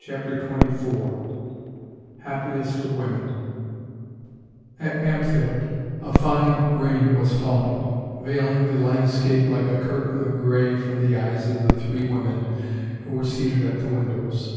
CHAPTER XXIV HAPPIEST OF WOMEN HT Ampthill a fine rain was falling, veiling the landscape like a curtain of gray from the eyes of the three women who were seated at the windows.